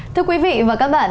thưa quý vị và các bạn